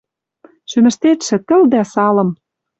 Шӱмӹштетшӹ тыл дӓ салым...